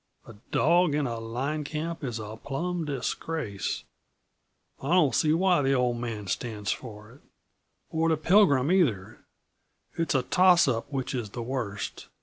"A dog in a line camp is a plumb disgrace! I don't see why the Old Man stands for it or the Pilgrim, either; it's a toss up which is the worst.